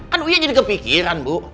kan iya jadi kepikiran bu